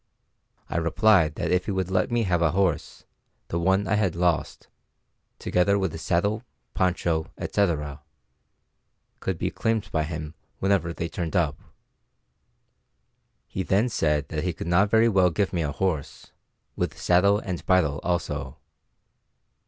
I replied that if he would let me have a horse, the one I had lost, together with saddle, poncho, etc., could be claimed by him whenever they turned up. He then said that he could not very well give me ahorse, "with saddle and bridle also."